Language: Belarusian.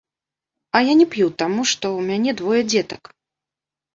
А я не п'ю таму, што ў мяне двое дзетак.